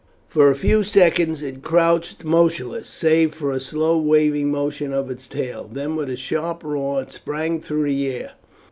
For a few seconds it crouched motionless, save for a slow waving motion of its tail; then with a sharp roar it sprang through the air.